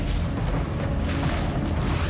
kita harus ke rumah